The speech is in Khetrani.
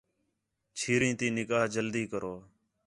چِھیریں تی نکاح جلدی کرو